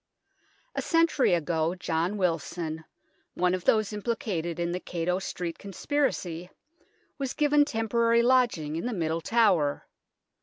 A century ago John Wilson, one of those implicated in the Cato Street Conspiracy, was given temporary lodging in the Middle Tower.